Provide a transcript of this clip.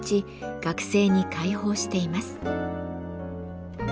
学生に開放しています。